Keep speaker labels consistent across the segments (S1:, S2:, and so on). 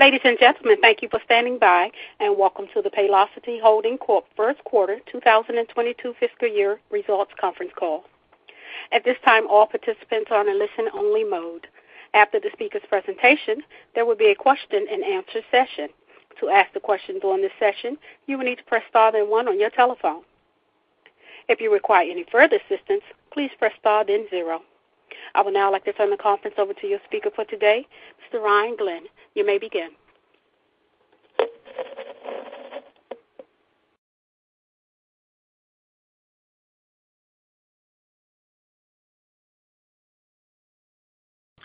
S1: Ladies and gentlemen, thank you for standing by, and welcome to the Paylocity Holding Corp. First Quarter 2022 Fiscal Year Results Conference Call. At this time, all participants are in listen-only mode. After the speaker's presentation, there will be a question-and-answer session. To ask the questions during this session, you will need to press star then one on your telephone. If you require any further assistance, please press star then zero. I would now like to turn the conference over to your speaker for today, Mr. Ryan Glenn. You may begin.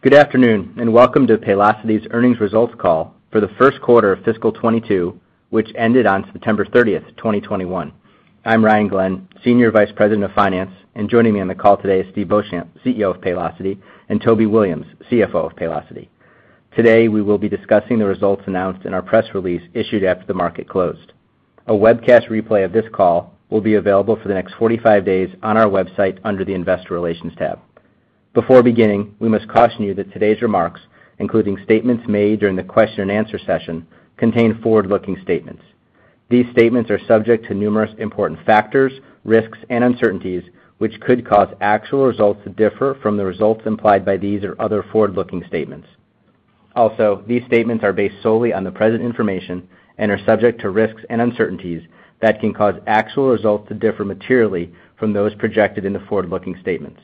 S2: Good afternoon, and welcome to Paylocity's Earnings Results Call for the first quarter of fiscal 2022, which ended on September 30th, 2021. I'm Ryan Glenn, Senior Vice President of Finance, and joining me on the call today is Steve Beauchamp, CEO of Paylocity, and Toby Williams, CFO of Paylocity. Today, we will be discussing the results announced in our press release issued after the market closed. A webcast replay of this call will be available for the next 45 days on our website under the Investor Relations tab. Before beginning, we must caution you that today's remarks, including statements made during the question-and-answer session, contain forward-looking statements. These statements are subject to numerous important factors, risks, and uncertainties, which could cause actual results to differ from the results implied by these or other forward-looking statements. These statements are based solely on the present information and are subject to risks and uncertainties that can cause actual results to differ materially from those projected in the forward-looking statements.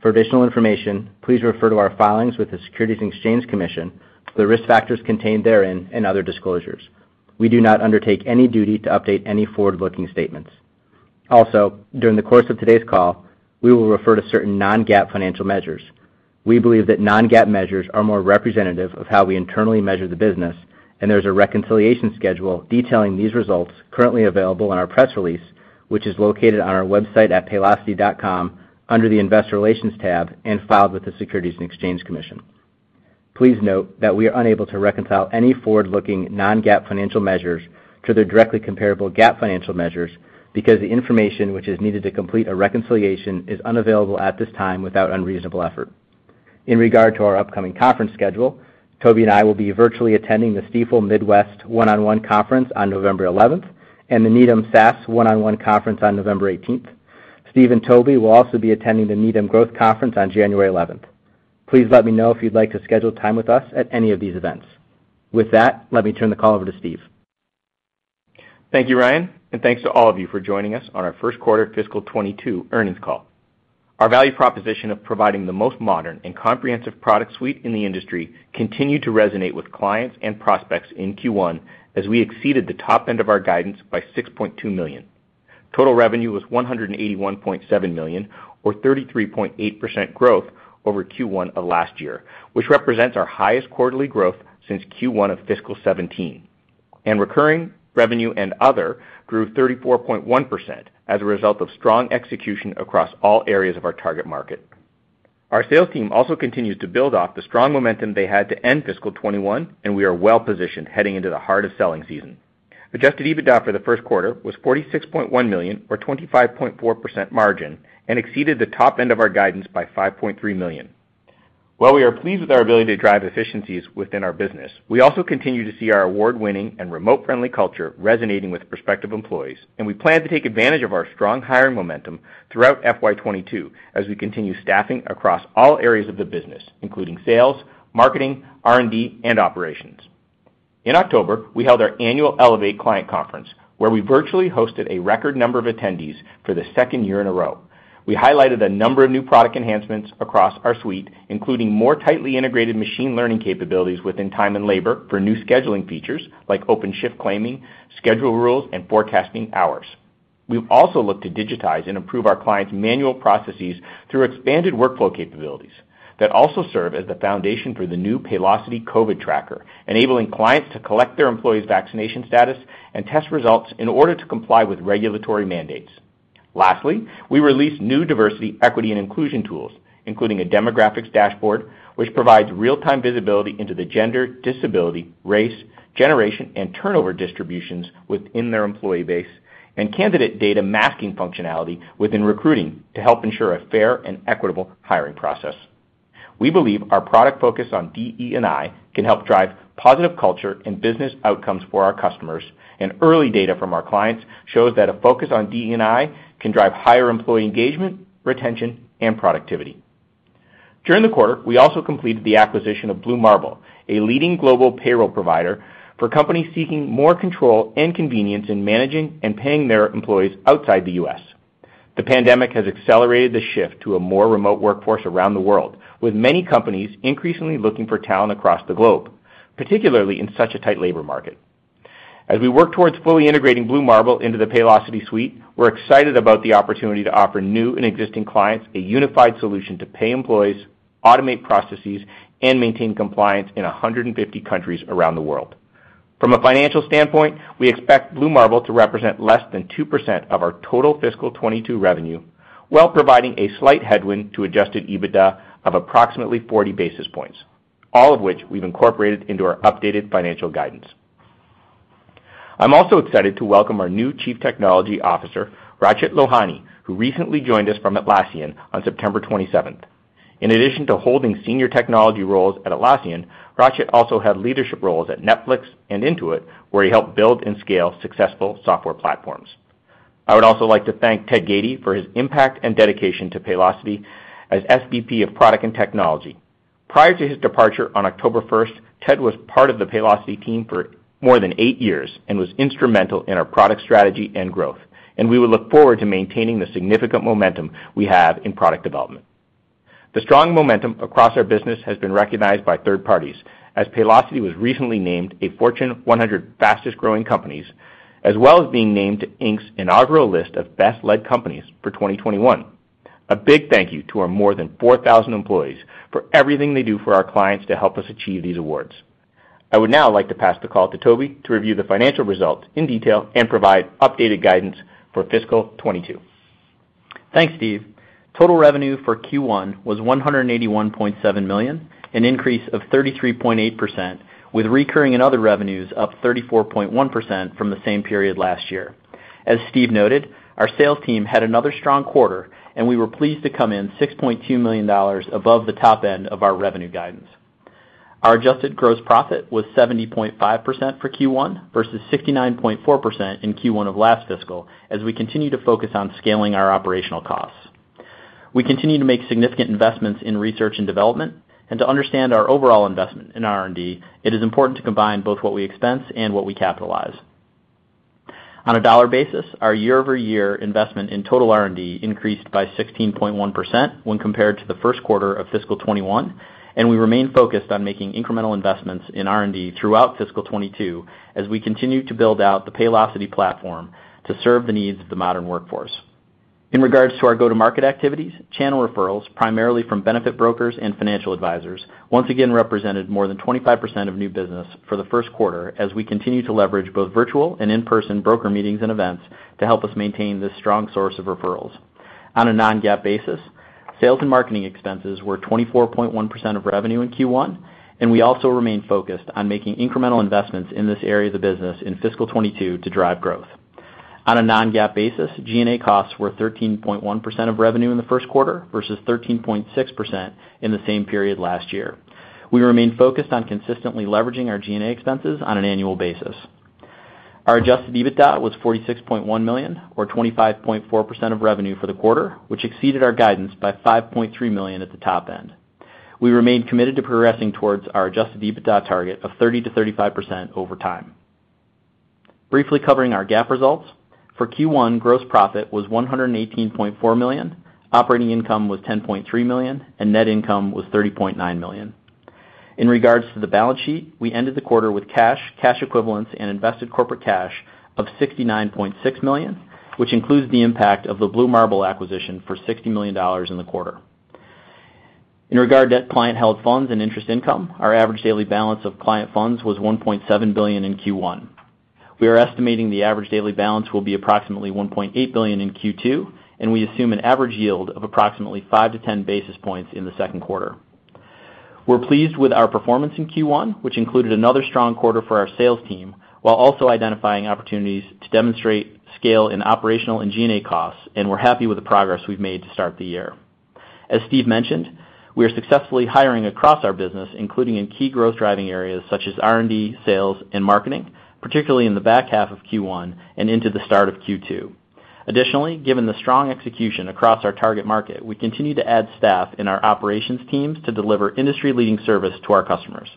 S2: For additional information, please refer to our filings with the Securities and Exchange Commission, the risk factors contained therein, and other disclosures. We do not undertake any duty to update any forward-looking statements. During the course of today's call, we will refer to certain non-GAAP financial measures. We believe that non-GAAP measures are more representative of how we internally measure the business, and there's a reconciliation schedule detailing these results currently available in our press release, which is located on our website at paylocity.com under the Investor Relations tab and filed with the Securities and Exchange Commission. Please note that we are unable to reconcile any forward-looking non-GAAP financial measures to their directly comparable GAAP financial measures because the information which is needed to complete a reconciliation is unavailable at this time without unreasonable effort. In regard to our upcoming conference schedule, Toby and I will be virtually attending the Stifel Midwest One-on-One Conference on November 11th and the Needham SaaS One-on-One Conference on November 18th. Steve and Toby will also be attending the Needham Growth Conference on January 11th. Please let me know if you'd like to schedule time with us at any of these events. With that, let me turn the call over to Steve.
S3: Thank you, Ryan, and thanks to all of you for joining us on our first quarter fiscal 2022 earnings call. Our value proposition of providing the most modern and comprehensive product suite in the industry continued to resonate with clients and prospects in Q1 as we exceeded the top end of our guidance by $6.2 million. Total revenue was $181.7 million, or 33.8% growth over Q1 of last year, which represents our highest quarterly growth since Q1 of fiscal 2017. Recurring revenue and other grew 34.1% as a result of strong execution across all areas of our target market. Our sales team also continued to build off the strong momentum they had to end fiscal 2021, and we are well-positioned heading into the heart of selling season. Adjusted EBITDA for the first quarter was $46.1 million or 25.4% margin and exceeded the top end of our guidance by $5.3 million. While we are pleased with our ability to drive efficiencies within our business, we also continue to see our award-winning and remote-friendly culture resonating with prospective employees, and we plan to take advantage of our strong hiring momentum throughout FY 2022 as we continue staffing across all areas of the business, including sales, marketing, R&D, and operations. In October, we held our annual Elevate client conference, where we virtually hosted a record number of attendees for the second year in a row. We highlighted a number of new product enhancements across our suite, including more tightly integrated machine learning capabilities within time and labor for new scheduling features like open shift claiming, schedule rules, and forecasting hours. We've also looked to digitize and improve our clients' manual processes through expanded workflow capabilities that also serve as the foundation for the new Paylocity COVID Tracker, enabling clients to collect their employees' vaccination status and test results in order to comply with regulatory mandates. Lastly, we released new diversity, equity, and inclusion tools, including a demographics dashboard, which provides real-time visibility into the gender, disability, race, generation, and turnover distributions within their employee base, and candidate data masking functionality within recruiting to help ensure a fair and equitable hiring process. We believe our product focus on DEI can help drive positive culture and business outcomes for our customers, and early data from our clients shows that a focus on DEI can drive higher employee engagement, retention, and productivity. During the quarter, we also completed the acquisition of Blue Marble, a leading global payroll provider for companies seeking more control and convenience in managing and paying their employees outside the U.S. The pandemic has accelerated the shift to a more remote workforce around the world, with many companies increasingly looking for talent across the globe, particularly in such a tight labor market. As we work towards fully integrating Blue Marble into the Paylocity suite, we're excited about the opportunity to offer new and existing clients a unified solution to pay employees, automate processes, and maintain compliance in 150 countries around the world. From a financial standpoint, we expect Blue Marble to represent less than 2% of our total fiscal 2022 revenue while providing a slight headwind to Adjusted EBITDA of approximately 40 basis points, all of which we've incorporated into our updated financial guidance. I'm also excited to welcome our new Chief Technology Officer, Rachit Lohani, who recently joined us from Atlassian on September twenty-seventh. In addition to holding senior technology roles at Atlassian, Rachit also had leadership roles at Netflix and Intuit, where he helped build and scale successful software platforms. I would also like to thank Ted Gaty for his impact and dedication to Paylocity as SVP of Product and Technology. Prior to his departure on October first, Ted was part of the Paylocity team for more than eight years and was instrumental in our product strategy and growth, and we will look forward to maintaining the significant momentum we have in product development. The strong momentum across our business has been recognized by third parties as Paylocity was recently named a Fortune 100 Fastest-Growing Companies, as well as being named to Inc.'s inaugural list of Best-Led Companies for 2021. A big thank you to our more than 4,000 employees for everything they do for our clients to help us achieve these awards. I would now like to pass the call to Toby to review the financial results in detail and provide updated guidance for fiscal 2022.
S4: Thanks, Steve. Total revenue for Q1 was $181.7 million, an increase of 33.8%, with recurring and other revenues up 34.1% from the same period last year. As Steve noted, our sales team had another strong quarter, and we were pleased to come in $6.2 million above the top end of our revenue guidance. Our adjusted gross profit was 70.5% for Q1 versus 69.4% in Q1 of last fiscal, as we continue to focus on scaling our operational costs. We continue to make significant investments in research and development. To understand our overall investment in R&D, it is important to combine both what we expense and what we capitalize. On a dollar basis, our year-over-year investment in total R&D increased by 16.1% when compared to the first quarter of fiscal 2021, and we remain focused on making incremental investments in R&D throughout fiscal 2022 as we continue to build out the Paylocity platform to serve the needs of the modern workforce. In regards to our go-to-market activities, channel referrals, primarily from benefit brokers and financial advisors, once again represented more than 25% of new business for the first quarter as we continue to leverage both virtual and in-person broker meetings and events to help us maintain this strong source of referrals. On a non-GAAP basis, sales and marketing expenses were 24.1% of revenue in Q1, and we also remain focused on making incremental investments in this area of the business in fiscal 2022 to drive growth. On a non-GAAP basis, G&A costs were 13.1% of revenue in the first quarter versus 13.6% in the same period last year. We remain focused on consistently leveraging our G&A expenses on an annual basis. Our Adjusted EBITDA was $46.1 million, or 25.4% of revenue for the quarter, which exceeded our guidance by $5.3 million at the top end. We remain committed to progressing towards our Adjusted EBITDA target of 30%-35% over time. Briefly covering our GAAP results, for Q1, gross profit was $118.4 million, operating income was $10.3 million, and net income was $30.9 million. In regards to the balance sheet, we ended the quarter with cash, cash equivalents, and invested corporate cash of $69.6 million, which includes the impact of the Blue Marble acquisition for $60 million in the quarter. In regard to debt, client-held funds and interest income, our average daily balance of client funds was $1.7 billion in Q1. We are estimating the average daily balance will be approximately $1.8 billion in Q2, and we assume an average yield of approximately 5-10 basis points in the second quarter. We're pleased with our performance in Q1, which included another strong quarter for our sales team, while also identifying opportunities to demonstrate scale in operational and G&A costs, and we're happy with the progress we've made to start the year. As Steve mentioned, we are successfully hiring across our business, including in key growth driving areas such as R&D, sales, and marketing, particularly in the back half of Q1 and into the start of Q2. Additionally, given the strong execution across our target market, we continue to add staff in our operations teams to deliver industry-leading service to our customers.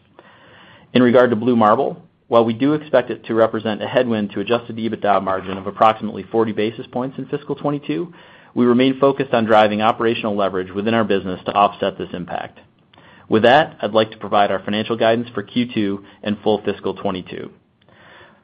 S4: In regard to Blue Marble, while we do expect it to represent a headwind to Adjusted EBITDA margin of approximately 40 basis points in fiscal 2022, we remain focused on driving operational leverage within our business to offset this impact. With that, I'd like to provide our financial guidance for Q2 and full fiscal 2022.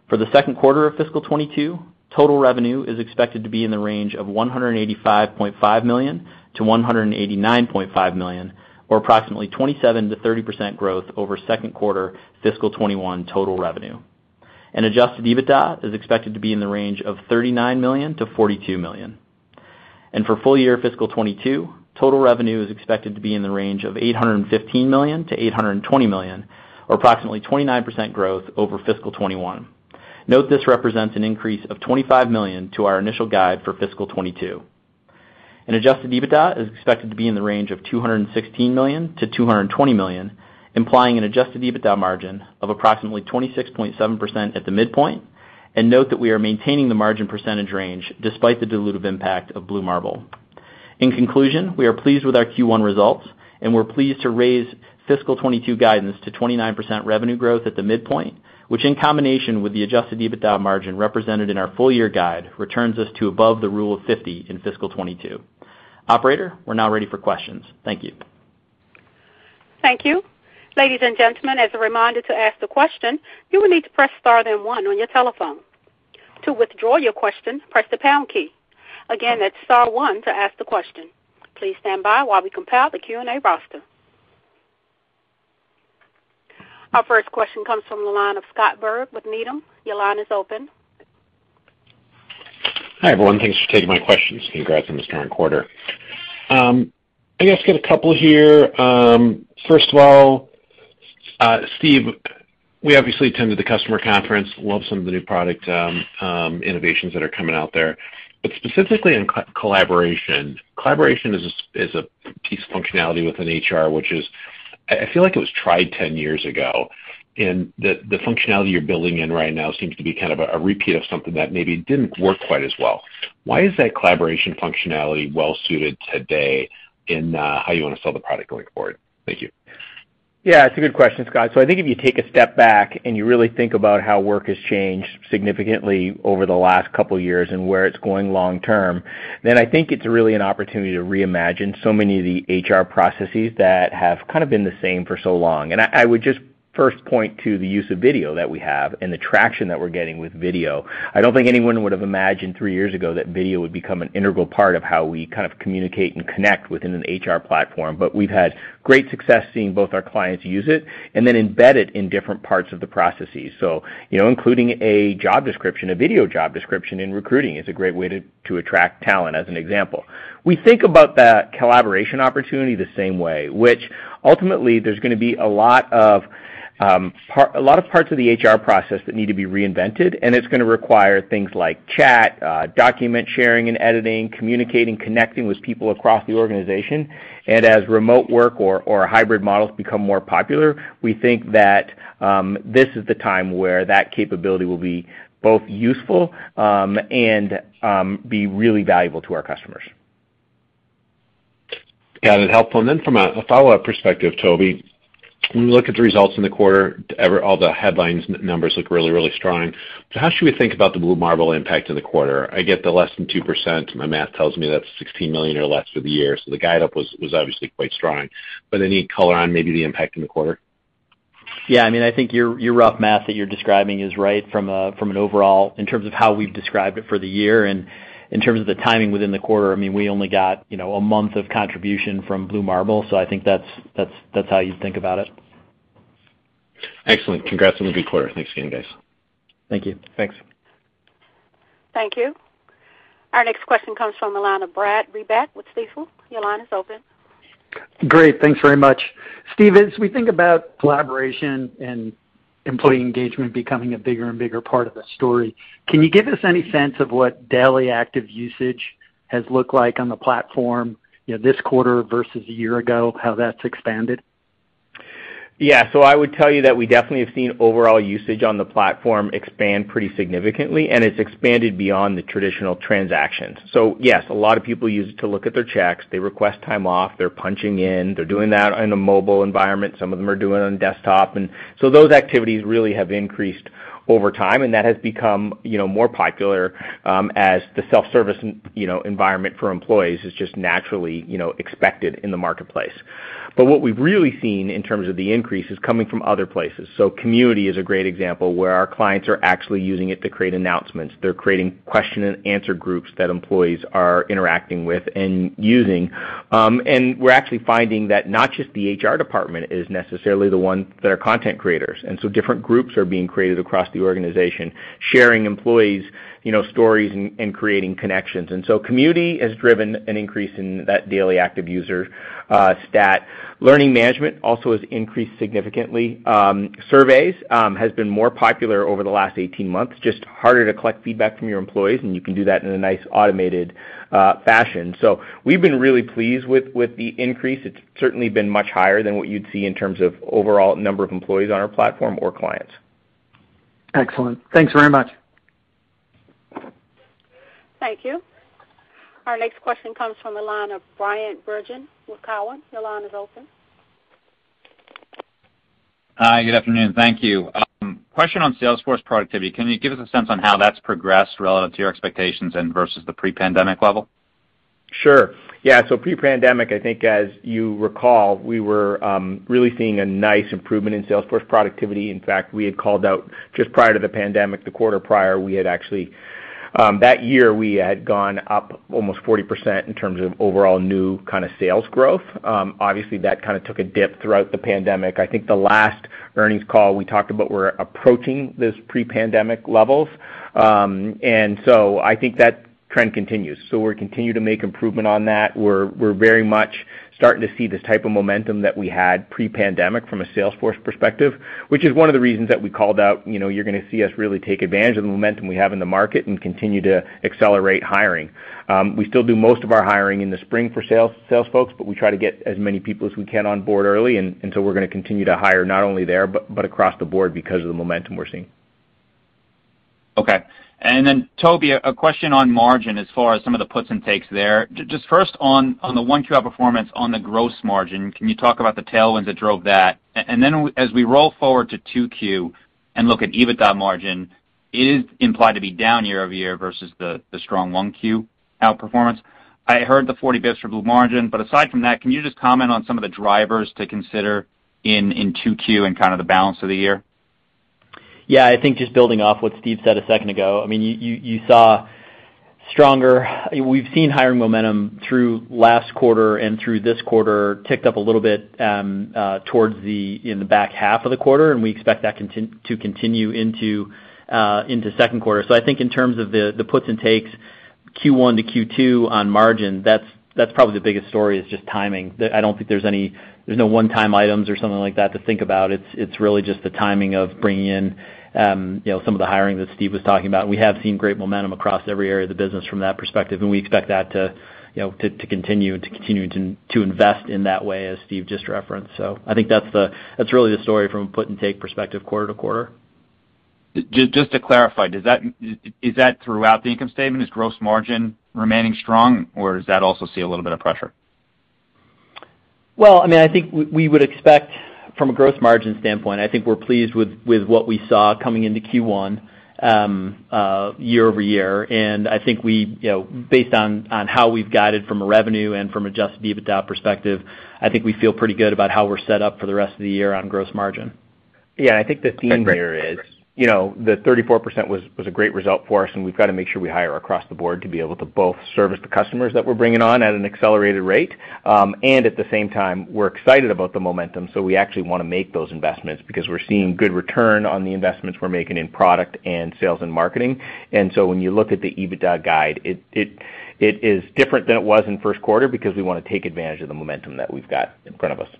S4: For the second quarter of fiscal 2022, total revenue is expected to be in the range of $185.5 million-$189.5 million, or approximately 27%-30% growth over second quarter fiscal 2021 total revenue. Adjusted EBITDA is expected to be in the range of $39 million-$42 million. For full year fiscal 2022, total revenue is expected to be in the range of $815 million-$820 million, or approximately 29% growth over fiscal 2021. Note this represents an increase of $25 million to our initial guide for fiscal 2022. Adjusted EBITDA is expected to be in the range of $216 million-$220 million, implying an Adjusted EBITDA margin of approximately 26.7% at the midpoint. Note that we are maintaining the margin percentage range despite the dilutive impact of Blue Marble. In conclusion, we are pleased with our Q1 results, and we're pleased to raise FY 2022 guidance to 29% revenue growth at the midpoint, which in combination with the Adjusted EBITDA margin represented in our full year guide, returns us to above the Rule of 50 in fiscal 2022. Operator, we're now ready for questions. Thank you.
S1: Thank you. Ladies and gentlemen, as a reminder to ask the question, you will need to press star then one on your telephone. To withdraw your question, press the pound key. Again, it's star one to ask the question. Please stand by while we compile the Q&A roster. Our first question comes from the line of Scott Berg with Needham. Your line is open.
S5: Hi, everyone. Thanks for taking my questions. Congrats on the strong quarter. I guess a couple here. First of all, Steve, we obviously attended the customer conference. Love some of the new product innovations that are coming out there. Specifically in collaboration, it is a piece of functionality within HR, which I feel like was tried 10 years ago, and the functionality you're building in right now seems to be kind of a repeat of something that maybe didn't work quite as well. Why is that collaboration functionality well suited today in how you wanna sell the product going forward? Thank you.
S3: Yeah, it's a good question, Scott. I think if you take a step back and you really think about how work has changed significantly over the last couple years and where it's going long term, then I think it's really an opportunity to reimagine so many of the HR processes that have kind of been the same for so long. I would just first point to the use of video that we have and the traction that we're getting with video. I don't think anyone would have imagined three years ago that video would become an integral part of how we kind of communicate and connect within an HR platform. We've had great success seeing both our clients use it and then embed it in different parts of the processes. You know, including a job description, a video job description in recruiting is a great way to attract talent as an example. We think about that collaboration opportunity the same way, which ultimately there's gonna be a lot of parts of the HR process that need to be reinvented, and it's gonna require things like chat, document sharing and editing, communicating, connecting with people across the organization. As remote work or hybrid models become more popular, we think that this is the time where that capability will be both useful and be really valuable to our customers.
S5: Got it. Helpful. Then from a follow-up perspective, Toby, when we look at the results in the quarter, all the headlines, the numbers look really, really strong. How should we think about the Blue Marble impact in the quarter? I get the less than 2%. My math tells me that's $16 million or less for the year. The guide up was obviously quite strong. Any color on maybe the impact in the quarter?
S4: Yeah. I mean, I think your rough math that you're describing is right from an overall in terms of how we've described it for the year. In terms of the timing within the quarter, I mean, we only got, you know, a month of contribution from Blue Marble, so I think that's how you'd think about it.
S5: Excellent. Congrats on the good quarter. Thanks again, guys.
S4: Thank you.
S3: Thanks.
S1: Thank you. Our next question comes from the line of Brad Reback with Stifel. Your line is open.
S6: Great. Thanks very much. Steve, as we think about collaboration and employee engagement becoming a bigger and bigger part of the story, can you give us any sense of what daily active usage has looked like on the platform, you know, this quarter versus a year ago, how that's expanded?
S3: Yeah. I would tell you that we definitely have seen overall usage on the platform expand pretty significantly, and it's expanded beyond the traditional transactions. Yes, a lot of people use it to look at their checks. They request time off. They're punching in. They're doing that in a mobile environment. Some of them are doing it on desktop. Those activities really have increased over time, and that has become, you know, more popular, as the self-service, you know, environment for employees is just naturally, you know, expected in the marketplace. What we've really seen in terms of the increase is coming from other places. Community is a great example, where our clients are actually using it to create announcements. They're creating question-and-answer groups that employees are interacting with and using. We're actually finding that not just the HR department is necessarily the ones that are content creators. Different groups are being created across the organization, sharing employees', you know, stories and creating connections. Community has driven an increase in that daily active user stat. Learning Management also has increased significantly. Surveys has been more popular over the last 18 months, just harder to collect feedback from your employees, and you can do that in a nice automated fashion. We've been really pleased with the increase. It's certainly been much higher than what you'd see in terms of overall number of employees on our platform or clients.
S6: Excellent. Thanks very much.
S1: Thank you. Our next question comes from the line of Bryan Bergin with Cowen. Your line is open.
S7: Hi. Good afternoon. Thank you. Question on sales force productivity. Can you give us a sense on how that's progressed relative to your expectations and versus the pre-pandemic level?
S3: Sure. Yeah. Pre-pandemic, I think as you recall, we were really seeing a nice improvement in sales force productivity. In fact, we had called out just prior to the pandemic, the quarter prior, we had actually that year, we had gone up almost 40% in terms of overall new kind of sales growth. Obviously, that kind of took a dip throughout the pandemic. I think the last earnings call we talked about we're approaching those pre-pandemic levels. I think that trend continues. We're continuing to make improvement on that. We're very much starting to see this type of momentum that we had pre-pandemic from a sales force perspective, which is one of the reasons that we called out, you know, you're gonna see us really take advantage of the momentum we have in the market and continue to accelerate hiring. We still do most of our hiring in the spring for sales folks, but we try to get as many people as we can on board early. We're gonna continue to hire not only there, but across the board because of the momentum we're seeing.
S7: Okay. Then, Toby, a question on margin as far as some of the puts and takes there. Just first on the 1Q outperformance on the gross margin, can you talk about the tailwinds that drove that? And then as we roll forward to 2Q and look at EBITDA margin is implied to be down year-over-year versus the strong 1Q outperformance. I heard the 40 basis points from Blue Marble. But aside from that, can you just comment on some of the drivers to consider in 2Q and kind of the balance of the year?
S4: I think just building off what Steve said a second ago, I mean, We've seen hiring momentum through last quarter and through this quarter ticked up a little bit in the back half of the quarter, and we expect that to continue into second quarter. I think in terms of the puts and takes, Q1 to Q2 on margin, that's probably the biggest story is just timing. I don't think there's no one-time items or something like that to think about. It's really just the timing of bringing in, you know, some of the hiring that Steve was talking about. We have seen great momentum across every area of the business from that perspective, and we expect that to, you know, continue and to continue to invest in that way as Steve just referenced. I think that's really the story from a put and take perspective quarter-to-quarter.
S7: Just to clarify, is that throughout the income statement? Is gross margin remaining strong, or does that also see a little bit of pressure?
S4: Well, I mean, I think we would expect from a gross margin standpoint, I think we're pleased with what we saw coming into Q1 year-over-year. I think we, you know, based on how we've guided from a revenue and from Adjusted EBITDA perspective, I think we feel pretty good about how we're set up for the rest of the year on gross margin.
S7: Okay, great.
S3: Yeah, I think the theme here is, you know, the 34% was a great result for us, and we've got to make sure we hire across the board to be able to both service the customers that we're bringing on at an accelerated rate, and at the same time, we're excited about the momentum, so we actually wanna make those investments because we're seeing good return on the investments we're making in product and sales and marketing. When you look at the EBITDA guide, it is different than it was in first quarter because we wanna take advantage of the momentum that we've got in front of us.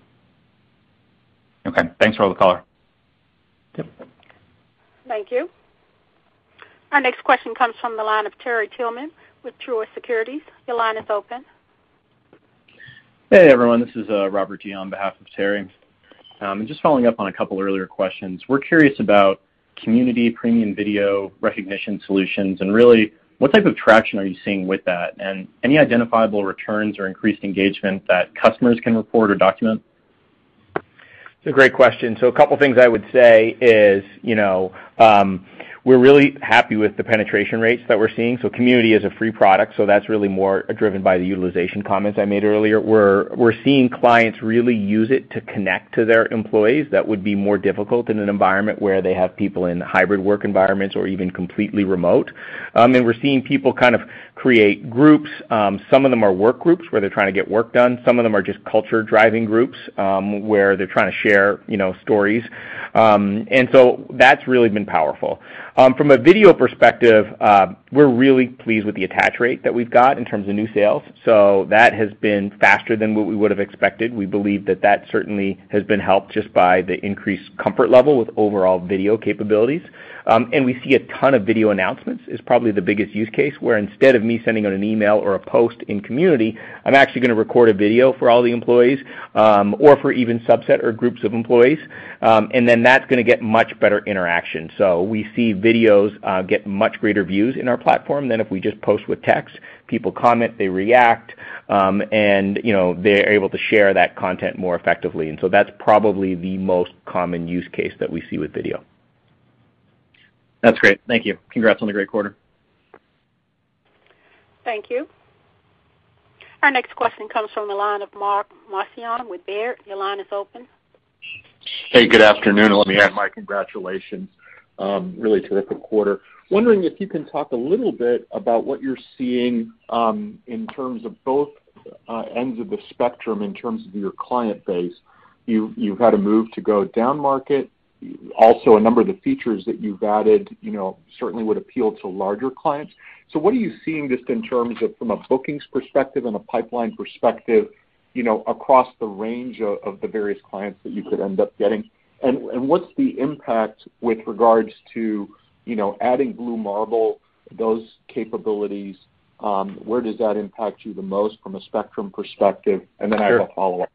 S7: Okay. Thanks for all the color.
S4: Yep.
S1: Thank you. Our next question comes from the line of Terry Tillman with Truist Securities. Your line is open.
S8: Hey, everyone. This is Robert Dee on behalf of Terry. Just following up on a couple earlier questions. We're curious about Community premium video recognition solutions, and really, what type of traction are you seeing with that? Any identifiable returns or increased engagement that customers can report or document?
S3: It's a great question. A couple things I would say is, you know, we're really happy with the penetration rates that we're seeing. Community is a free product, so that's really more driven by the utilization comments I made earlier. We're seeing clients really use it to connect to their employees. That would be more difficult in an environment where they have people in hybrid work environments or even completely remote. We're seeing people kind of create groups. Some of them are work groups, where they're trying to get work done. Some of them are just culture-driving groups, where they're trying to share, you know, stories. That's really been powerful. From a video perspective, we're really pleased with the attach rate that we've got in terms of new sales. That has been faster than what we would have expected. We believe that that certainly has been helped just by the increased comfort level with overall video capabilities. We see a ton of video announcements is probably the biggest use case, where instead of me sending out an email or a post in Community, I'm actually gonna record a video for all the employees, or for even subset or groups of employees, and then that's gonna get much better interaction. We see videos get much greater views in our platform than if we just post with text. People comment, they react, and, you know, they're able to share that content more effectively. That's probably the most common use case that we see with video.
S8: That's great. Thank you. Congrats on the great quarter.
S1: Thank you. Our next question comes from the line of Mark Marcon with Baird. Your line is open.
S9: Hey, good afternoon. Let me add my congratulations. Really terrific quarter. Wondering if you can talk a little bit about what you're seeing in terms of both ends of the spectrum in terms of your client base. You've had a move to go down market. Also, a number of the features that you've added, you know, certainly would appeal to larger clients. What are you seeing just in terms of from a bookings perspective and a pipeline perspective, you know, across the range of the various clients that you could end up getting? And what's the impact with regards to, you know, adding Blue Marble, those capabilities, where does that impact you the most from a spectrum perspective?
S3: Sure.
S9: I have a follow-up.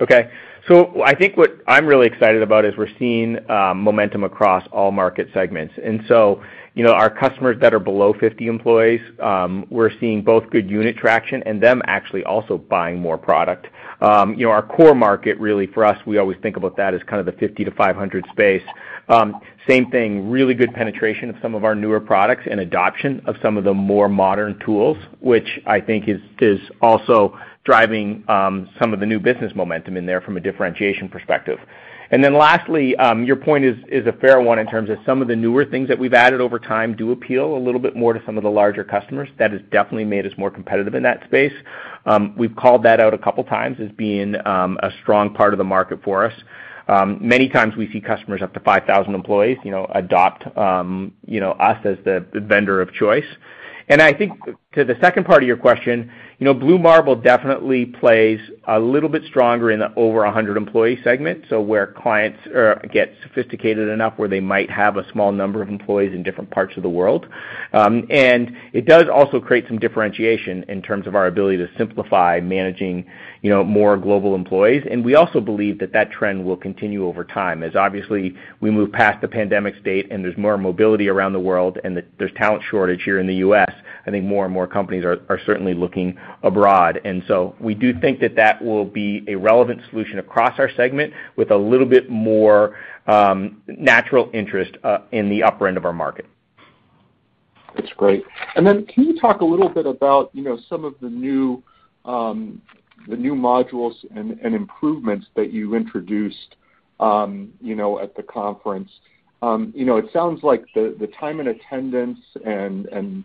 S3: Okay. I think what I'm really excited about is we're seeing momentum across all market segments. You know, our customers that are below 50 employees, we're seeing both good unit traction and them actually also buying more product. You know, our core market really for us, we always think about that as kind of the 50 to 500 space. Same thing, really good penetration of some of our newer products and adoption of some of the more modern tools, which I think is also driving some of the new business momentum in there from a differentiation perspective. Lastly, your point is a fair one in terms of some of the newer things that we've added over time do appeal a little bit more to some of the larger customers. That has definitely made us more competitive in that space. We've called that out a couple times as being a strong part of the market for us. Many times we see customers up to 5,000 employees, you know, adopt, you know, us as the vendor of choice. I think to the second part of your question, you know, Blue Marble definitely plays a little bit stronger in the over 100 employee segment, so where clients get sophisticated enough where they might have a small number of employees in different parts of the world. It does also create some differentiation in terms of our ability to simplify managing, you know, more global employees. We also believe that trend will continue over time as obviously we move past the pandemic state and there's more mobility around the world and there's talent shortage here in the U.S., I think more and more companies are certainly looking abroad. We do think that will be a relevant solution across our segment with a little bit more natural interest in the upper end of our market.
S9: That's great. Can you talk a little bit about, you know, some of the new modules and improvements that you introduced, you know, at the conference? You know, it sounds like the time and attendance and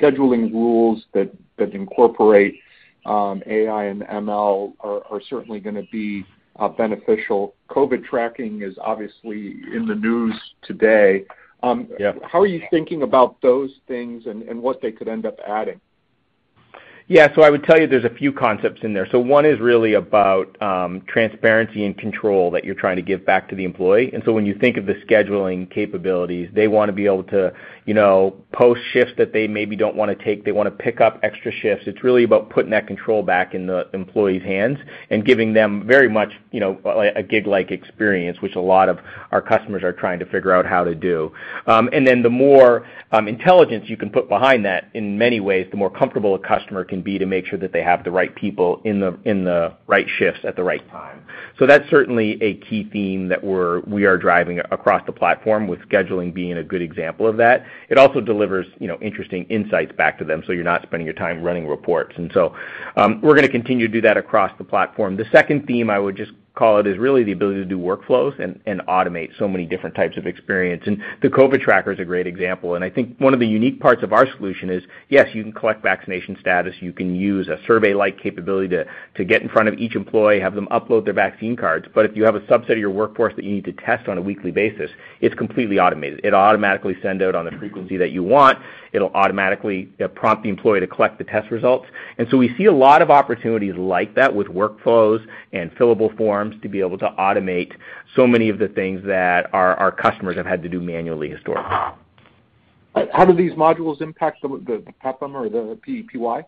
S9: scheduling rules that incorporate AI and ML are certainly gonna be beneficial. COVID tracking is obviously in the news today.
S3: Yeah.
S9: How are you thinking about those things and what they could end up adding?
S3: Yeah. I would tell you there's a few concepts in there. One is really about, transparency and control that you're trying to give back to the employee. When you think of the scheduling capabilities, they wanna be able to, you know, post shifts that they maybe don't wanna take. They wanna pick up extra shifts. It's really about putting that control back in the employees' hands and giving them very much, you know, a gig-like experience, which a lot of our customers are trying to figure out how to do. The more intelligence you can put behind that, in many ways, the more comfortable a customer can be to make sure that they have the right people in the right shifts at the right time. That's certainly a key theme that we are driving across the platform, with scheduling being a good example of that. It also delivers, you know, interesting insights back to them, so you're not spending your time running reports. We're gonna continue to do that across the platform. The second theme I would just call it is really the ability to do workflows and automate so many different types of experience. The COVID Tracker is a great example. I think one of the unique parts of our solution is, yes, you can collect vaccination status. You can use a survey-like capability to get in front of each employee, have them upload their vaccine cards. If you have a subset of your workforce that you need to test on a weekly basis, it's completely automated. It automatically send out on the frequency that you want. It'll automatically, you know, prompt the employee to collect the test results. We see a lot of opportunities like that with workflows and fillable forms to be able to automate so many of the things that our customers have had to do manually historically.
S9: How do these modules impact some of the PEPM or the PEPY?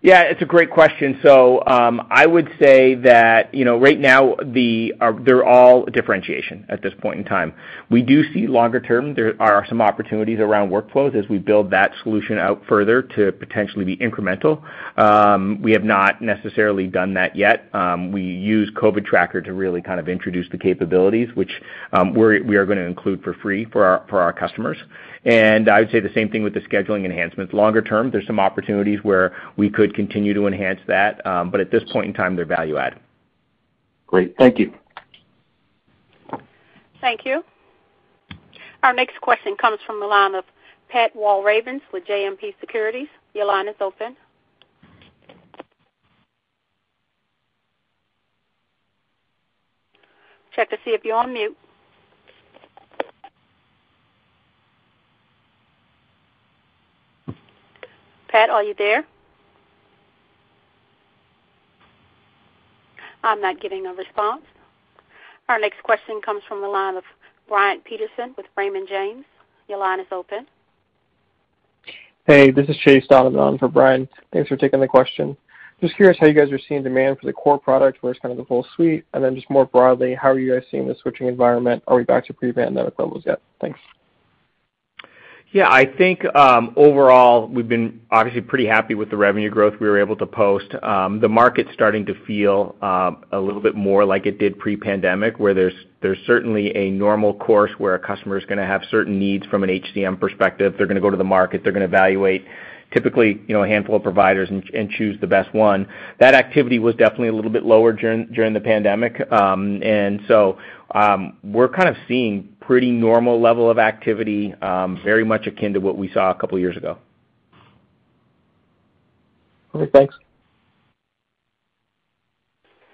S3: Yeah, it's a great question. I would say that, you know, right now they're all differentiation at this point in time. We do see longer term, there are some opportunities around workflows as we build that solution out further to potentially be incremental. We have not necessarily done that yet. We use COVID Tracker to really kind of introduce the capabilities, which we are gonna include for free for our customers. I would say the same thing with the scheduling enhancements. Longer term, there's some opportunities where we could continue to enhance that, but at this point in time, they're value add.
S9: Great. Thank you.
S1: Thank you. Our next question comes from the line of Pat Walravens with JMP Securities. Your line is open. Check to see if you're on mute. Pat, are you there? I'm not getting a response. Our next question comes from the line of Brian Peterson with Raymond James. Your line is open.
S10: Hey, this is Chase dialing for Brian. Thanks for taking the question. Just curious how you guys are seeing demand for the core product versus kind of the full suite. Just more broadly, how are you guys seeing the switching environment? Are we back to pre-pandemic levels yet? Thanks.
S3: Yeah. I think, overall, we've been obviously pretty happy with the revenue growth we were able to post. The market's starting to feel a little bit more like it did pre-pandemic, where there's certainly a normal course where a customer is gonna have certain needs from an HCM perspective. They're gonna go to the market. They're gonna evaluate typically, you know, a handful of providers and choose the best one. That activity was definitely a little bit lower during the pandemic. We're kind of seeing pretty normal level of activity, very much akin to what we saw a couple years ago.
S10: Okay, thanks.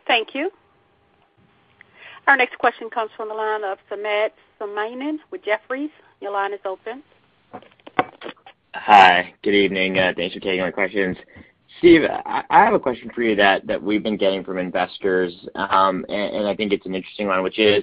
S1: Thank you. Our next question comes from the line of Samad Samana with Jefferies. Your line is open.
S11: Hi. Good evening. Thanks for taking my questions. Steve, I have a question for you that we've been getting from investors, and I think it's an interesting one, which is,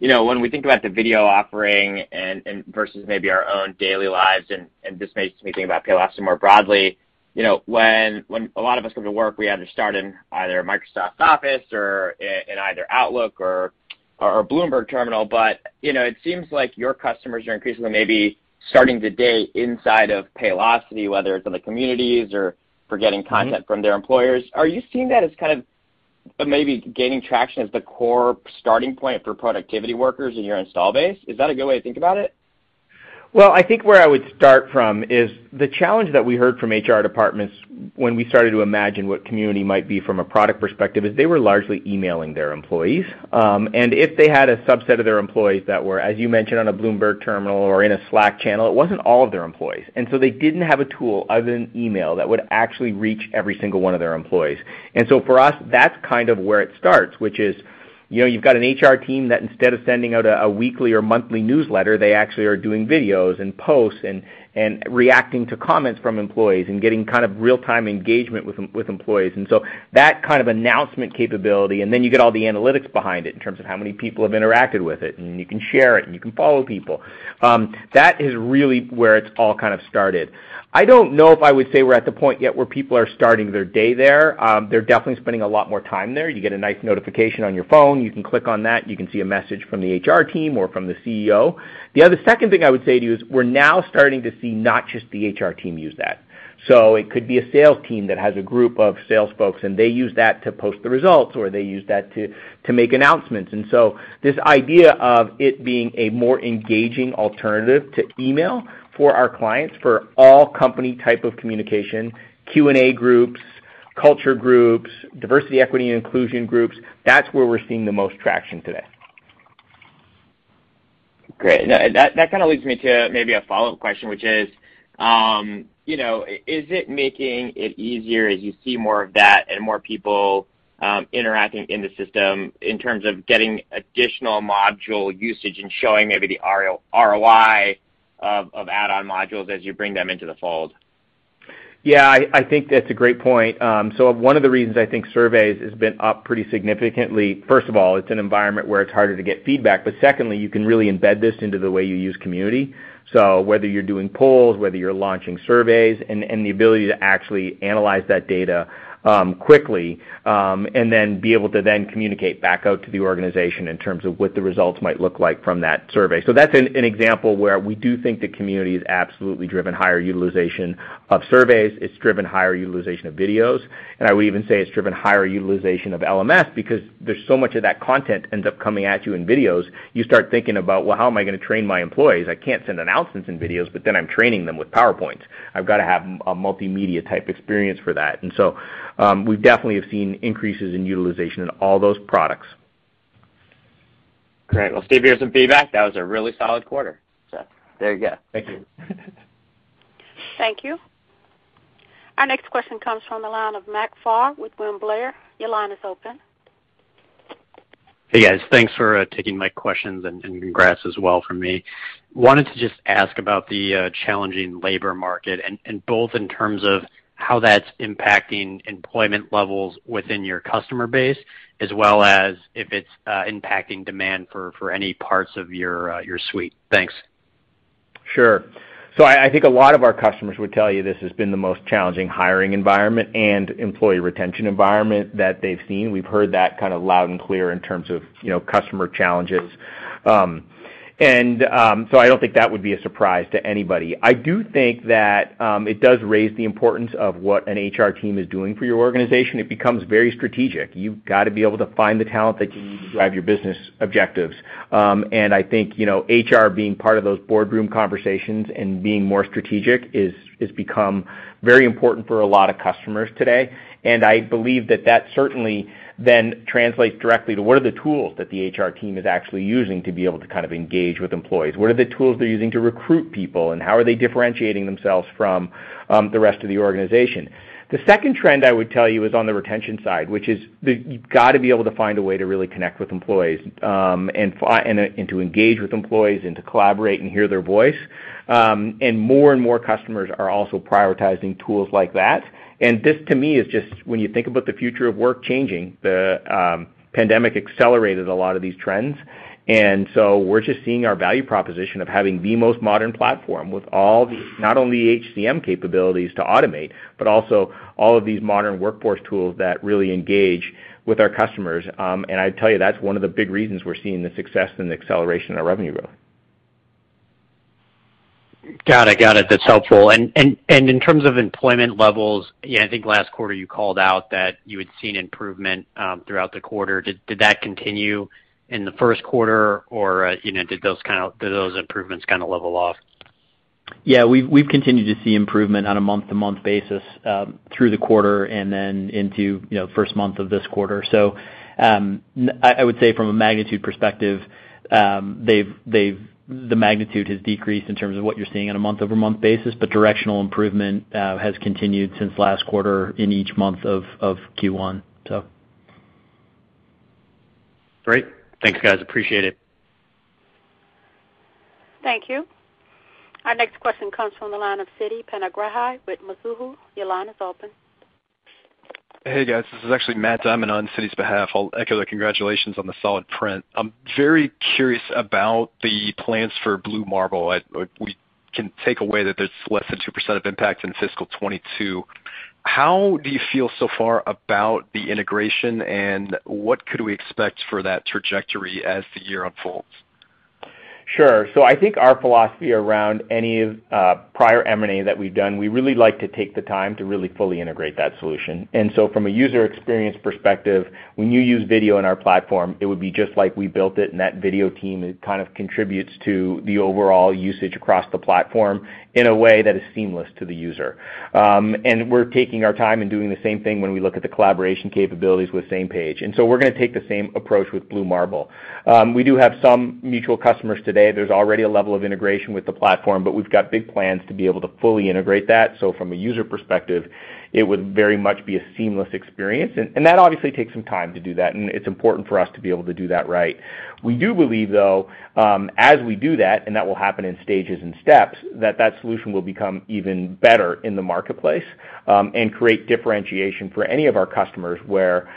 S11: you know, when we think about the video offering and versus maybe our own daily lives, and this makes me think about Paylocity more broadly, you know, when a lot of us come to work, we either start in either Microsoft Office or in either Outlook or a Bloomberg terminal. But, you know, it seems like your customers are increasingly maybe starting the day inside of Paylocity, whether it's in the communities or for getting content from their employers. Are you seeing that as kind of maybe gaining traction as the core starting point for productivity workers in your install base? Is that a good way to think about it?
S3: Well, I think where I would start from is the challenge that we heard from HR departments when we started to imagine what Community might be from a product perspective is they were largely emailing their employees. If they had a subset of their employees that were, as you mentioned, on a Bloomberg terminal or in a Slack channel, it wasn't all of their employees. They didn't have a tool other than email that would actually reach every single one of their employees. For us, that's kind of where it starts, which is, you know, you've got an HR team that instead of sending out a weekly or monthly newsletter, they actually are doing videos and posts and reacting to comments from employees and getting kind of real-time engagement with employees. That kind of announcement capability, and then you get all the analytics behind it in terms of how many people have interacted with it, and you can share it, and you can follow people, that is really where it's all kind of started. I don't know if I would say we're at the point yet where people are starting their day there. They're definitely spending a lot more time there. You get a nice notification on your phone. You can click on that. You can see a message from the HR team or from the CEO. The other second thing I would say to you is we're now starting to see not just the HR team use that. It could be a sales team that has a group of sales folks, and they use that to post the results, or they use that to make announcements. This idea of it being a more engaging alternative to email for our clients for all company type of communication, Q&A groups, culture groups, diversity, equity, and inclusion groups, that's where we're seeing the most traction today.
S11: Great. That kinda leads me to maybe a follow-up question, which is, you know, is it making it easier as you see more of that and more people interacting in the system in terms of getting additional module usage and showing maybe the ROI of add-on modules as you bring them into the fold?
S3: Yeah, I think that's a great point. One of the reasons I think surveys has been up pretty significantly, first of all, it's an environment where it's harder to get feedback. Secondly, you can really embed this into the way you use Community. Whether you're doing polls, whether you're launching surveys, and the ability to actually analyze that data quickly, and then be able to then communicate back out to the organization in terms of what the results might look like from that survey. That's an example where we do think the Community has absolutely driven higher utilization of surveys. It's driven higher utilization of videos. I would even say it's driven higher utilization of LMS because there's so much of that content ends up coming at you in videos. You start thinking about, well, how am I gonna train my employees? I can't send announcements in videos, but then I'm training them with PowerPoints. I've gotta have a multimedia type experience for that. We definitely have seen increases in utilization in all those products.
S11: Great. Well, Steve, here are some feedback. That was a really solid quarter. There you go.
S3: Thank you.
S1: Thank you. Our next question comes from the line of Matt Pfau with William Blair. Your line is open.
S12: Hey, guys. Thanks for taking my questions and congrats as well from me. Wanted to just ask about the challenging labor market and both in terms of how that's impacting employment levels within your customer base, as well as if it's impacting demand for any parts of your suite. Thanks.
S3: Sure. I think a lot of our customers would tell you this has been the most challenging hiring environment and employee retention environment that they've seen. We've heard that kind of loud and clear in terms of, you know, customer challenges. I don't think that would be a surprise to anybody. I do think that it does raise the importance of what an HR team is doing for your organization. It becomes very strategic. You've got to be able to find the talent that you need to drive your business objectives. I think, you know, HR being part of those boardroom conversations and being more strategic has become very important for a lot of customers today. I believe that certainly then translates directly to what are the tools that the HR team is actually using to be able to kind of engage with employees? What are the tools they're using to recruit people, and how are they differentiating themselves from the rest of the organization? The second trend I would tell you is on the retention side, which is you've got to be able to find a way to really connect with employees, and to engage with employees and to collaborate and hear their voice. And more and more customers are also prioritizing tools like that. This to me is just when you think about the future of work changing, the pandemic accelerated a lot of these trends. We're just seeing our value proposition of having the most modern platform with all the, not only HCM capabilities to automate, but also all of these modern workforce tools that really engage with our customers. I tell you, that's one of the big reasons we're seeing the success and the acceleration in our revenue growth.
S12: Got it. Got it. That's helpful. In terms of employment levels, yeah, I think last quarter you called out that you had seen improvement throughout the quarter. Did that continue in the first quarter or, you know, did those improvements kind of level off?
S4: Yeah. We've continued to see improvement on a month-over-month basis through the quarter and then into, you know, first month of this quarter. I would say from a magnitude perspective, the magnitude has decreased in terms of what you're seeing on a month-over-month basis, but directional improvement has continued since last quarter in each month of Q1.
S12: Great. Thanks, guys. Appreciate it.
S1: Thank you. Our next question comes from the line of Siti Panigrahi with Mizuho. Your line is open.
S13: Hey, guys. This is actually Matt dialing on Siti's behalf. I'll echo the congratulations on the solid print. I'm very curious about the plans for Blue Marble. We can take away that there's less than 2% of impact in fiscal 2022. How do you feel so far about the integration, and what could we expect for that trajectory as the year unfolds?
S3: Sure. I think our philosophy around any of prior M&A that we've done, we really like to take the time to really fully integrate that solution. From a user experience perspective, when you use video in our platform, it would be just like we built it, and that video team kind of contributes to the overall usage across the platform in a way that is seamless to the user. We're taking our time and doing the same thing when we look at the collaboration capabilities with Samepage. We're gonna take the same approach with Blue Marble. We do have some mutual customers today. There's already a level of integration with the platform, but we've got big plans to be able to fully integrate that. From a user perspective, it would very much be a seamless experience. That obviously takes some time to do that, and it's important for us to be able to do that right. We do believe, though, as we do that, and that will happen in stages and steps, that solution will become even better in the marketplace, and create differentiation for any of our customers where,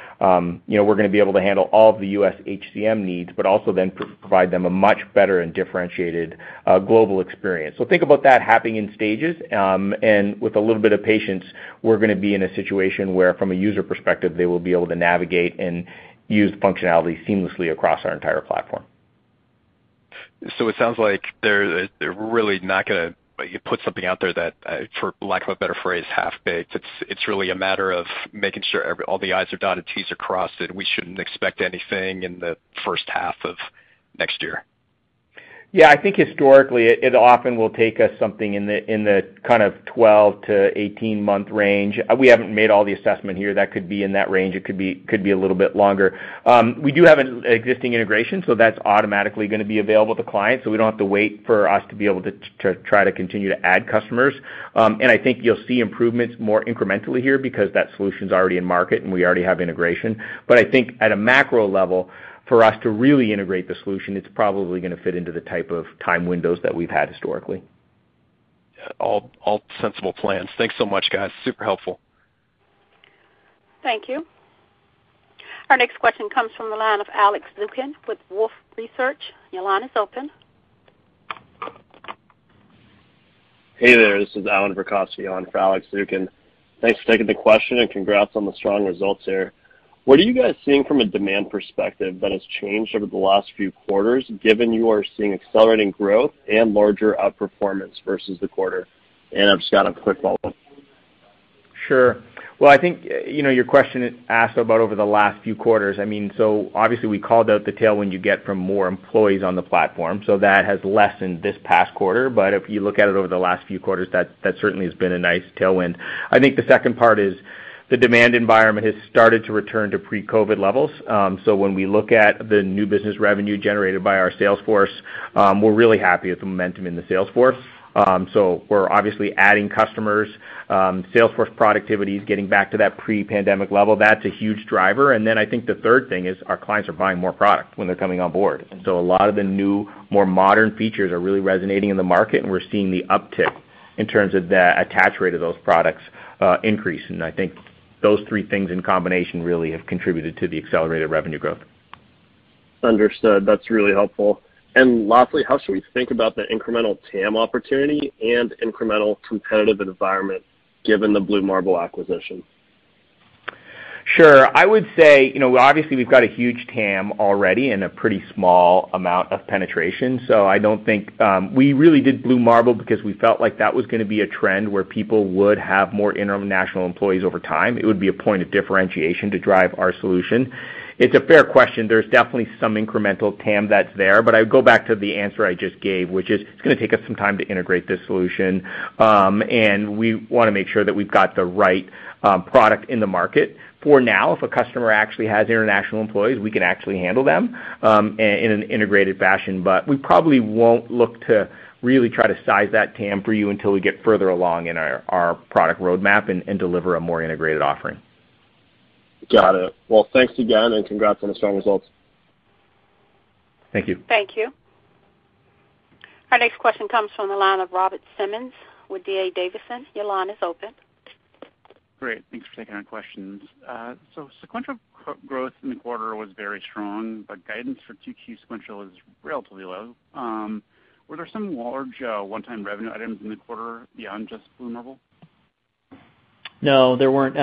S3: you know, we're gonna be able to handle all of the U.S. HCM needs, but also then provide them a much better and differentiated, global experience. Think about that happening in stages, and with a little bit of patience, we're gonna be in a situation where from a user perspective, they will be able to navigate and use the functionality seamlessly across our entire platform.
S13: It sounds like they're really not gonna put something out there that, for lack of a better phrase, half-baked. It's really a matter of making sure all the I's are dotted, T's are crossed, and we shouldn't expect anything in the first half of next year.
S3: Yeah. I think historically, it often will take us something in the kind of 12-18-month range. We haven't made all the assessment here. That could be in that range. It could be a little bit longer. We do have an existing integration, so that's automatically gonna be available to clients, so we don't have to wait for us to be able to try to continue to add customers. I think you'll see improvements more incrementally here because that solution's already in market and we already have integration. I think at a macro level, for us to really integrate the solution, it's probably gonna fit into the type of time windows that we've had historically.
S13: Yeah. All sensible plans. Thanks so much, guys. Super helpful.
S1: Thank you. Our next question comes from the line of Alex Zukin with Wolfe Research. Your line is open.
S14: Hey there. This is Allan Verkhovski on for Alex Zukin. Thanks for taking the question and congrats on the strong results here. What are you guys seeing from a demand perspective that has changed over the last few quarters, given you are seeing accelerating growth and larger outperformance versus the quarter? I've just got a quick follow-up.
S3: Sure. Well, I think, you know, your question has been asked about over the last few quarters. I mean, obviously we called out the tailwind you get from more employees on the platform. That has lessened this past quarter. If you look at it over the last few quarters, that certainly has been a nice tailwind. I think the second part is the demand environment has started to return to pre-COVID levels. When we look at the new business revenue generated by our sales force, we're really happy with the momentum in the sales force. We're obviously adding customers. Sales force productivity is getting back to that pre-pandemic level. That's a huge driver. Then I think the third thing is our clients are buying more product when they're coming on board. A lot of the new, more modern features are really resonating in the market, and we're seeing the uptick in terms of the attach rate of those products increase. I think those three things in combination really have contributed to the accelerated revenue growth.
S14: Understood. That's really helpful. Lastly, how should we think about the incremental TAM opportunity and incremental competitive environment given the Blue Marble acquisition?
S3: Sure. I would say, you know, obviously we've got a huge TAM already and a pretty small amount of penetration. I don't think we really did Blue Marble because we felt like that was gonna be a trend where people would have more international employees over time. It would be a point of differentiation to drive our solution. It's a fair question. There's definitely some incremental TAM that's there, but I would go back to the answer I just gave, which is it's gonna take us some time to integrate this solution, and we wanna make sure that we've got the right product in the market. For now, if a customer actually has international employees, we can actually handle them in an integrated fashion. We probably won't look to really try to size that TAM for you until we get further along in our product roadmap and deliver a more integrated offering.
S14: Got it. Well, thanks again, and congrats on the strong results.
S3: Thank you.
S1: Thank you. Our next question comes from the line of Robert Simmons with D.A. Davidson. Your line is open.
S15: Great. Thanks for taking our questions. Sequential growth in the quarter was very strong, but guidance for Q2 sequential is relatively low. Were there some large one-time revenue items in the quarter beyond just Blue Marble?
S4: No, there weren't.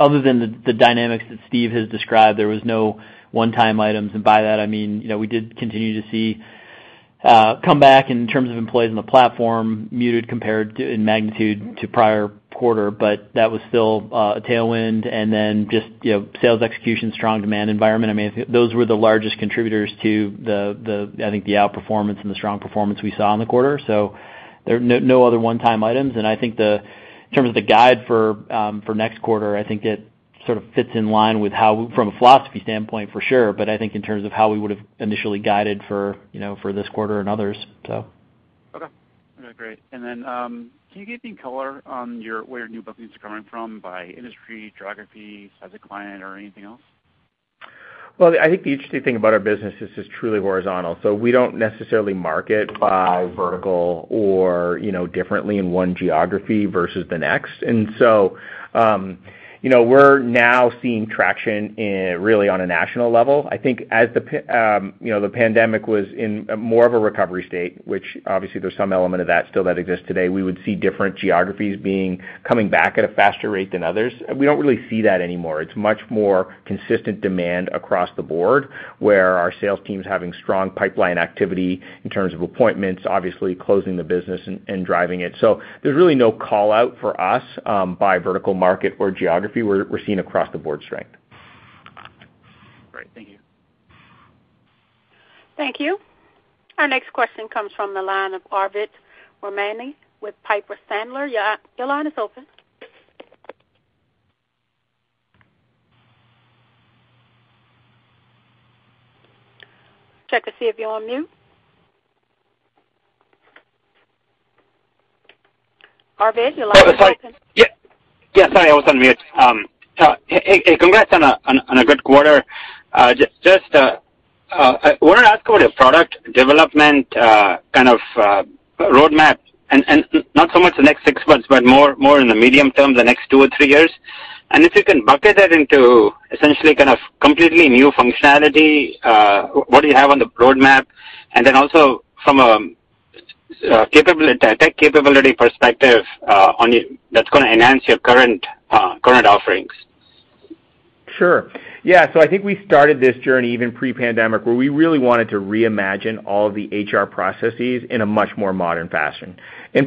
S4: Other than the dynamics that Steve has described, there was no one-time items. By that I mean, you know, we did continue to see come back in terms of employees on the platform, muted compared to in magnitude to prior quarter, but that was still a tailwind and then just, you know, sales execution, strong demand environment. I mean, those were the largest contributors to the outperformance and the strong performance we saw in the quarter. There are no other one-time items. I think, in terms of the guide for next quarter, I think it sort of fits in line with how from a philosophy standpoint for sure, but I think in terms of how we would've initially guided for, you know, for this quarter and others, so.
S15: Okay. Great. Can you give any color on where your new bookings are coming from by industry, geography, size of client or anything else?
S3: Well, I think the interesting thing about our business, this is truly horizontal. We don't necessarily market by vertical or, you know, differently in one geography versus the next. You know, we're now seeing traction really on a national level. I think as the pandemic was in more of a recovery state, which obviously there's some element of that still that exists today. We would see different geographies being, coming back at a faster rate than others. We don't really see that anymore. It's much more consistent demand across the board, where our sales team's having strong pipeline activity in terms of appointments, obviously closing the business and driving it. There's really no call-out for us by vertical market or geography. We're seeing across the board strength.
S15: Great. Thank you.
S1: Thank you. Our next question comes from the line of Arvind Ramnani with Piper Sandler. Your line is open. Check to see if you're on mute. Arvind, your line is open.
S16: Oh, sorry. Yeah, sorry, I was on mute. Hey, congrats on a good quarter. I want to ask about your product development kind of roadmap and not so much the next six months, but more in the medium term, the next two or three years. If you can bucket it into essentially kind of completely new functionality, what do you have on the roadmap? Then also from a capability, a tech capability perspective, that's gonna enhance your current offerings.
S3: Sure. I think we started this journey even pre-pandemic, where we really wanted to reimagine all the HR processes in a much more modern fashion.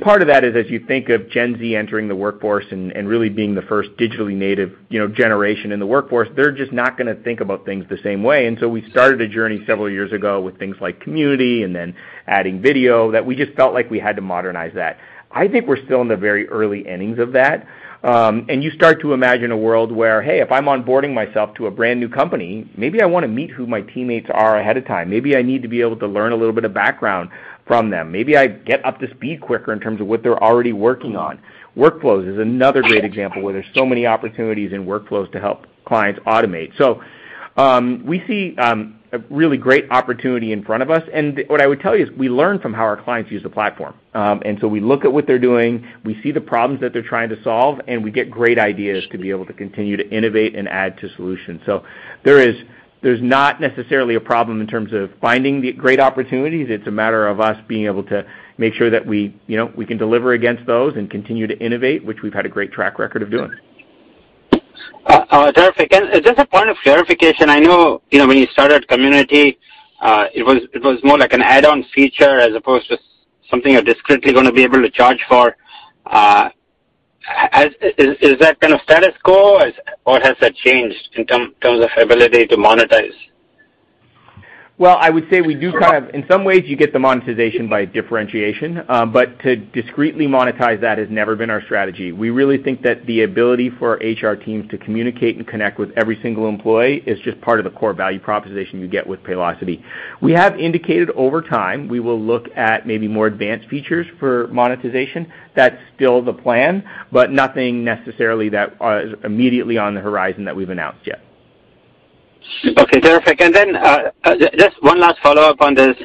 S3: Part of that is as you think of Gen Z entering the workforce and really being the first digitally native, you know, generation in the workforce, they're just not gonna think about things the same way. We started a journey several years ago with things like Community and then adding video that we just felt like we had to modernize that. I think we're still in the very early innings of that. You start to imagine a world where, hey, if I'm onboarding myself to a brand-new company, maybe I wanna meet who my teammates are ahead of time. Maybe I need to be able to learn a little bit of background from them. Maybe I get up to speed quicker in terms of what they're already working on. Workflows is another great example where there's so many opportunities in workflows to help clients automate. We see a really great opportunity in front of us. What I would tell you is we learn from how our clients use the platform. We look at what they're doing, we see the problems that they're trying to solve, and we get great ideas to be able to continue to innovate and add to solutions. There's not necessarily a problem in terms of finding the great opportunities. It's a matter of us being able to make sure that we, you know, we can deliver against those and continue to innovate, which we've had a great track record of doing.
S16: Terrific. Just a point of clarification. I know, you know, when you started Community, it was more like an add-on feature as opposed to something you're discretely gonna be able to charge for. Is that kind of status quo? Or has that changed in terms of ability to monetize?
S3: Well, I would say we do kind of in some ways you get the monetization by differentiation. To discreetly monetize that has never been our strategy. We really think that the ability for our HR teams to communicate and connect with every single employee is just part of the core value proposition you get with Paylocity. We have indicated over time we will look at maybe more advanced features for monetization. That's still the plan, but nothing necessarily that is immediately on the horizon that we've announced yet.
S16: Okay. Terrific. Just one last follow-up on this.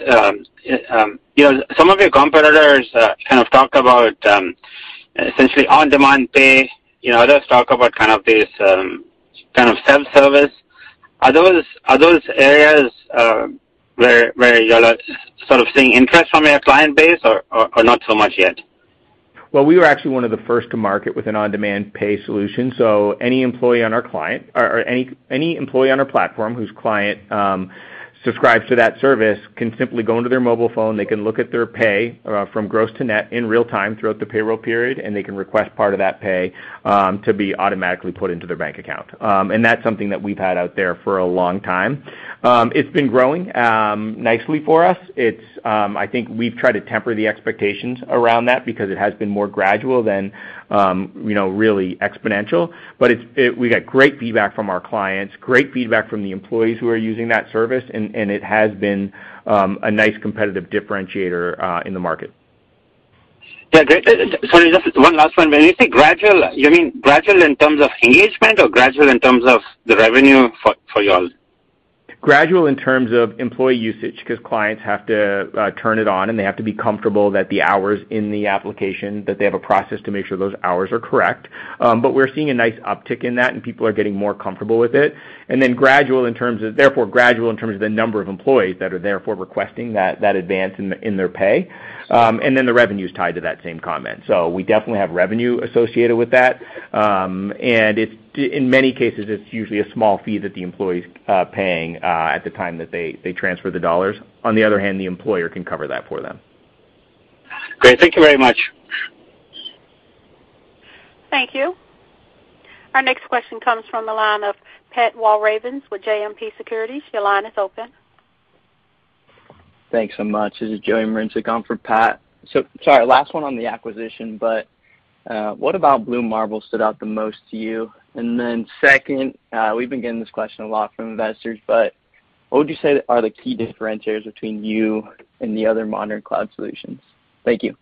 S16: You know, some of your competitors kind of talk about essentially on-demand pay. You know, others talk about kind of this kind of self-service. Are those areas where you're sort of seeing interest from your client base or not so much yet?
S3: Well, we were actually one of the first to market with an on-demand pay solution. Any employee on our client or any employee on our platform whose client subscribes to that service can simply go into their mobile phone. They can look at their pay from gross to net in real time throughout the payroll period, and they can request part of that pay to be automatically put into their bank account. That's something that we've had out there for a long time. It's been growing nicely for us. I think we've tried to temper the expectations around that because it has been more gradual than you know really exponential. We get great feedback from our clients, great feedback from the employees who are using that service, and it has been a nice competitive differentiator in the market.
S16: Yeah. Great. Sorry, just one last one. When you say gradual, you mean gradual in terms of engagement or gradual in terms of the revenue for y'all?
S3: Gradual in terms of employee usage, 'cause clients have to turn it on, and they have to be comfortable that the hours in the application, that they have a process to make sure those hours are correct. We're seeing a nice uptick in that, and people are getting more comfortable with it. Gradual in terms of the number of employees that are therefore requesting that advance in their pay. The revenue is tied to that same comment. We definitely have revenue associated with that. In many cases, it's usually a small fee that the employee's paying at the time that they transfer the dollars. On the other hand, the employer can cover that for them.
S16: Great. Thank you very much.
S1: Thank you. Our next question comes from the line of Pat Walravens with JMP Securities. Your line is open.
S17: Thanks so much. This is Joey Marincek on for Pat. Sorry, last one on the acquisition, but what about Blue Marble stood out the most to you? Then second, we've been getting this question a lot from investors, but what would you say are the key differentiators between you and the other modern cloud solutions? Thank you.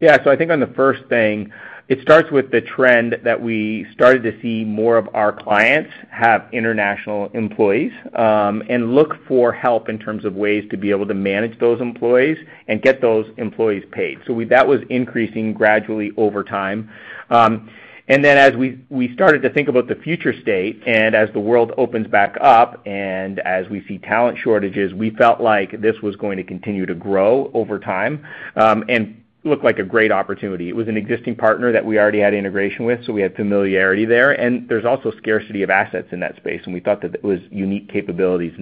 S3: Yeah. I think on the first thing, it starts with the trend that we started to see more of our clients have international employees, and look for help in terms of ways to be able to manage those employees and get those employees paid. That was increasing gradually over time. As we started to think about the future state and as the world opens back up and as we see talent shortages, we felt like this was going to continue to grow over time, and looked like a great opportunity. It was an existing partner that we already had integration with, so we had familiarity there. There's also scarcity of assets in that space, and we thought that it was unique capabilities.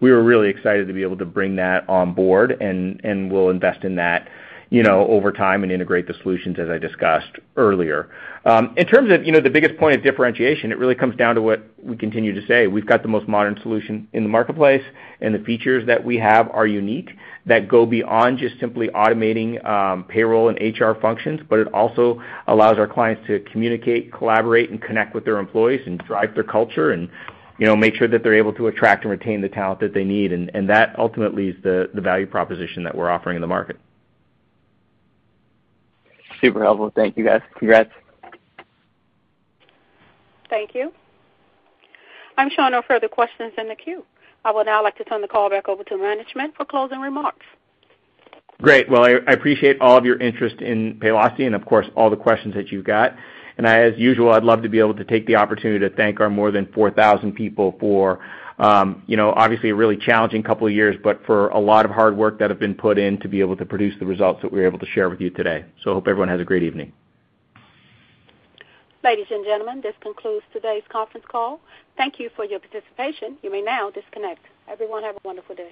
S3: We were really excited to be able to bring that on board, and we'll invest in that, you know, over time and integrate the solutions, as I discussed earlier. In terms of, you know, the biggest point of differentiation, it really comes down to what we continue to say. We've got the most modern solution in the marketplace, and the features that we have are unique, that go beyond just simply automating payroll and HR functions, but it also allows our clients to communicate, collaborate, and connect with their employees and drive their culture and, you know, make sure that they're able to attract and retain the talent that they need. And that ultimately is the value proposition that we're offering in the market.
S17: Super helpful. Thank you, guys. Congrats.
S1: Thank you. I'm showing no further questions in the queue. I would now like to turn the call back over to management for closing remarks.
S3: Great. Well, I appreciate all of your interest in Paylocity and, of course, all the questions that you've got. As usual, I'd love to be able to take the opportunity to thank our more than 4,000 people for, you know, obviously a really challenging couple of years, but for a lot of hard work that have been put in to be able to produce the results that we're able to share with you today. I hope everyone has a great evening.
S1: Ladies and gentlemen, this concludes today's conference call. Thank you for your participation. You may now disconnect. Everyone, have a wonderful day.